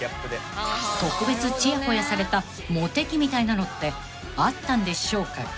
［特別ちやほやされたモテ期みたいなのってあったんでしょうか？］